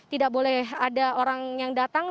tidak boleh ada orang yang datang